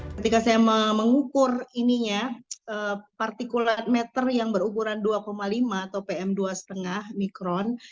ketika saya mengukur ininya partikulat meter yang berukuran dua lima atau pm dua lima mikron